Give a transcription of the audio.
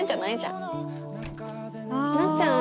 なっちゃん？